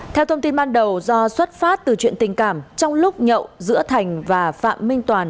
theo thông tin ban đầu do xuất phát từ chuyện tình cảm trong lúc nhậu giữa thành và phạm minh toàn